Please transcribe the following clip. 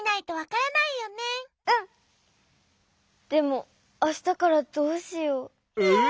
でもあしたからどうしよう。え？